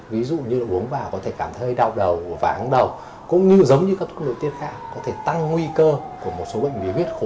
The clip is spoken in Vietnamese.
ví dụ như uống vào có thể cảm thấy đau đầu vãng đầu cũng như giống như các thuốc nội tiết khác có thể tăng nguy cơ của một số bệnh bí quyết